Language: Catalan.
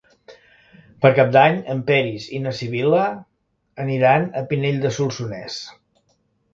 Per Cap d'Any en Peris i na Sibil·la aniran a Pinell de Solsonès.